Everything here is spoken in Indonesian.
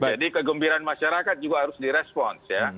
jadi kegembiraan masyarakat juga harus di response ya